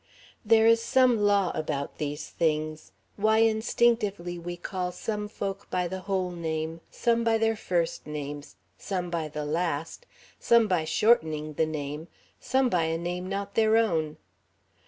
There is some law about these things: why instinctively we call some folk by the whole name, some by their first names, some by the last, some by shortening the name, some by a name not their own.